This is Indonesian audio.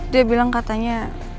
dia bilang katanya